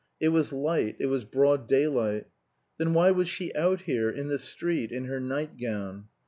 It was light; it was broad daylight. Then why was she out here, in the street, in her night gown?